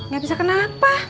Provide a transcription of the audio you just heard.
gak bisa kenapa